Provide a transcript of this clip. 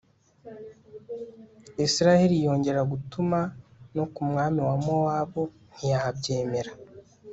israheli yongera gutuma no ku mwami wa mowabu ntiyabyemera